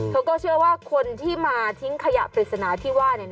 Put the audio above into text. เธอก็เชื่อว่าคนที่มาทิ้งขยะปริศนาที่ว่า